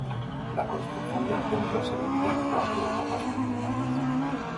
La construcción del templo se divide en cuatro etapas principales.